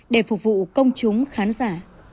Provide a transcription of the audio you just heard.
để phục vụ công chúng khán giả